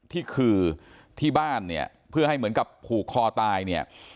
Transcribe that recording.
ที่คือที่บ้านเนี่ยเพื่อให้เหมือนกับผูกคอตายเนี่ย